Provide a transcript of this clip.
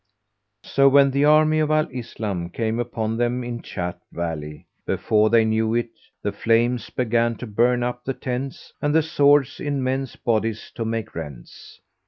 So when the army of Al Islam came upon them in chat valley, before they knew of it the flames began to burn up the tents and the swords in men's bodies to make rents.